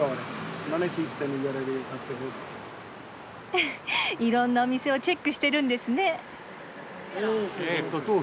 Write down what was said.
うふっいろんなお店をチェックしてるんですね。